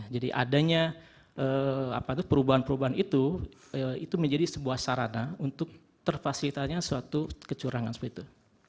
jadi adanya perubahan perubahan itu menjadi sebuah sarana untuk terfasilitanya suatu kecurangan seperti itu